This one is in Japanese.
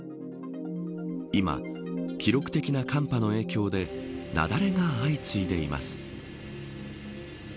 今、記録的な寒波の影響で雪崩が相次いでいます。